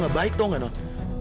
gak baik tau gak non